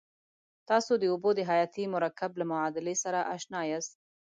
تاسې د اوبو د حیاتي مرکب له معادلې سره آشنا یاست.